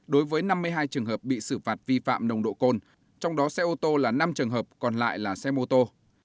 đối với năm mươi hai trường hợp bị xử phạt vi phạm nồng độ cồn trong đó xe ô tô là năm trường hợp còn lại là xe mô tô